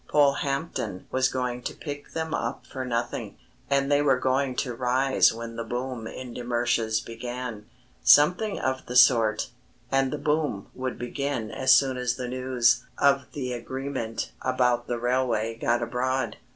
Polehampton was going to pick them up for nothing, and they were going to rise when the boom in de Mersch's began something of the sort. And the boom would begin as soon as the news of the agreement about the railway got abroad.